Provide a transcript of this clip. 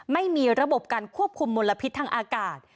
ไม่มีระบบการควบคุมมลพิษทางอากาศ